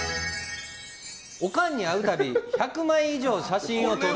オカンに会うたび１００枚以上写真を撮る！